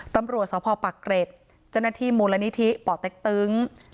ตำรวจสภปรักเกร็จจนาที่มูลนิธิปแต๊กตึ๊ง